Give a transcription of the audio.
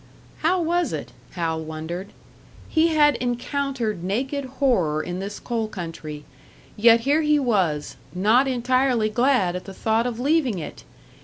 How was it? Hal wondered. He had encountered naked horror in this coal country yet here he was, not entirely glad at the thought of leaving it!